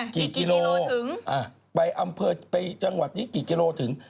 กี่กิโลถึงไปอำเภอไปจังหวัดนี้กี่กิโลถึง